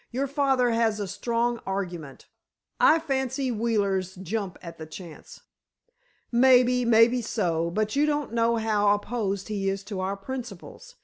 "Your father has a strong argument. I fancy Wheeler's jump at the chance." "Maybe—maybe so. But you don't know how opposed he is to our principles.